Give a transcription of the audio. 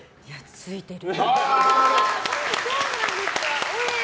ついてる。